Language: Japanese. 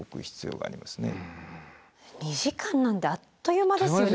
２時間なんてあっという間ですよね。